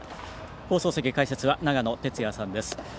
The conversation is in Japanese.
放送席、解説は長野哲也さんです。